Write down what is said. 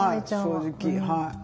正直はい。